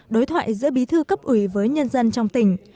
đối thoại giữa bí thư cấp ủy với nhân dân trong tỉnh